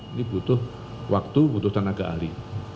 ini butuh waktu butuh tenaga ahli